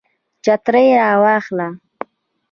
چترۍ را واخله